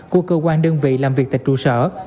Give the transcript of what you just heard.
của cơ quan đơn vị làm việc tại trụ sở